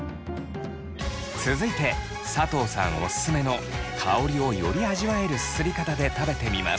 続いて佐藤さんおすすめの香りをより味わえるすすり方で食べてみます。